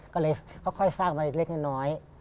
ก็เลยค่อยสร้างมาเล็กน้อย